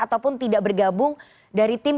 ataupun tidak bergabung dari tim